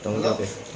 tanggung jawab ya